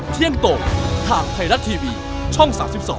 เที่ยงโตถามไทรัตทีวีช่อง๓๒